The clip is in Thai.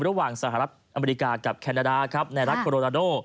ระหว่างสหรัฐอเมริกากับแคนาดาในรัฐกรณาโด